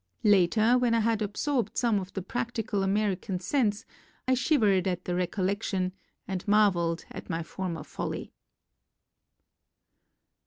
Later when I had absorbed some of the practical Ameri can sense 1 shivered at the recollection and marvelled at my former folly.